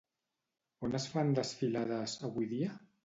On es fan desfilades, avui dia?